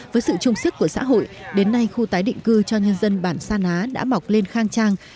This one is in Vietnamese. với sự trung sức của xã hội đến nay khu tái định cư cho nhân dân bản sa ná đã mọc lên khang trang